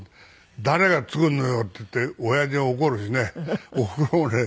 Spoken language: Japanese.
「誰が作るのよ」っていって親父は怒るしねおふくろもね